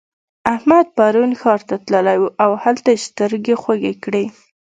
احمد پرون ښار ته تللی وو؛ هلته يې سترګې خوږې کړې.